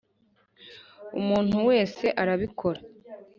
umuntu wese arabikora